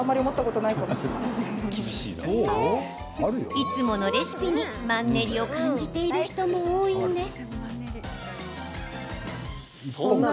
いつものレシピにマンネリを感じている人も多いんです。